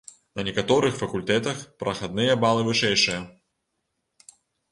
На некаторых факультэтах прахадныя балы вышэйшыя.